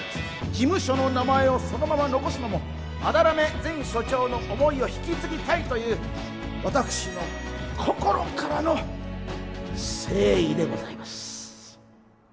事務所の名前をそのまま残すのも斑目前所長の思いを引き継ぎたいという私の心からの「誠意」でございます